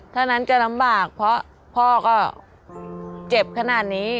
ถ้านั้นจะลำบากเพราะพ่อก็เจ็บขนาดนี้